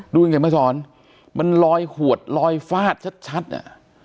ดูยังไงมณฑมันลอยหววดลอยฟาดชัดอ่ะ